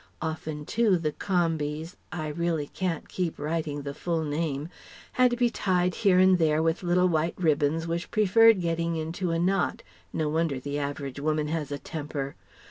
Often, too, the "combies" (I really can't keep writing the full name) had to be tied here and there with little white ribbons which preferred getting into a knot (no wonder the average woman has a temper!).